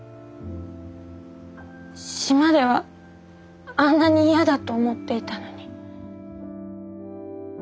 島ではあんなに嫌だと思っていたのに。